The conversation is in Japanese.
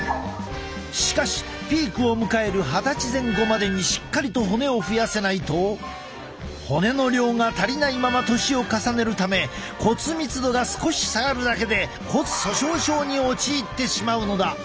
しかしピークを迎える二十歳前後までにしっかりと骨を増やせないと骨の量が足りないまま年を重ねるため骨密度が少し下がるだけで骨粗しょう症に陥ってしまうのだ。